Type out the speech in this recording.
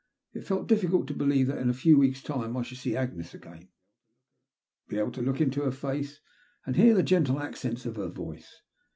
I felt it difficult to believe that in a few weeks' time I should see Agnes again, be able to look into her face, and hear the gentle accents of her voice.